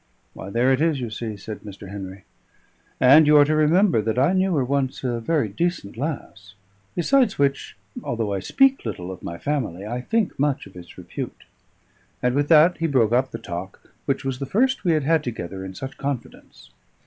"Why, there it is, you see!" said Mr. Henry. "And you are to remember that I knew her once a very decent lass. Besides which, although I speak little of my family, I think much of its repute." And with that he broke up the talk, which was the first we had together in such confidence.